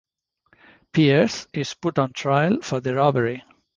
Pierce is put on trial for the robbery.